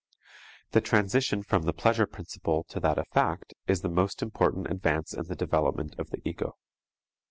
The transition from the pleasure principle to that of fact is the most important advance in the development of the ego.